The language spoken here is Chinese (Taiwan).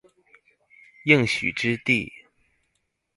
應許之地